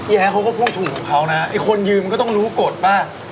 แย้เขาก็พูดถูกของเขานะไอ้คนยืมก็ต้องรู้กฎป่ะ